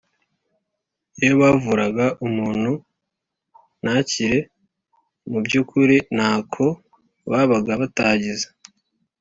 iyo bavuraga umuntu ntakire Mu by ukuri ntako babaga batagize